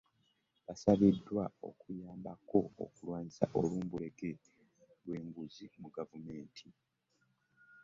Basabiddwa okuyambako mu kulwanyisa olumbulege lw'enguzi mu gavumenti.